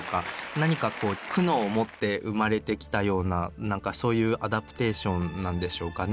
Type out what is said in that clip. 何か苦悩を持って生まれてきたようななんかそういうアダプテーションなんでしょうかね。